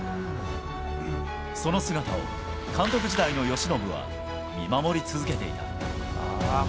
その姿を監督時代の由伸は見守り続けていた。